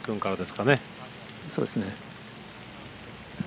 そうですね。